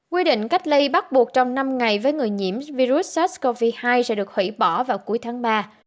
quy định cách ly bắt buộc trong năm ngày với người nhiễm virus sars cov hai sẽ được hủy bỏ vào cuối tháng ba